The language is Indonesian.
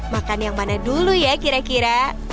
makan yang mana dulu ya kira kira